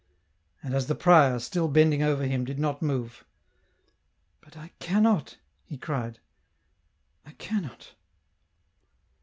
And as the prior, still bending over him, did not move. " But I cannot," he cried ;" I cannot."